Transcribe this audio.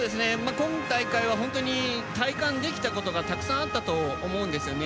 今大会は体感できたことがたくさんあったと思うんですね。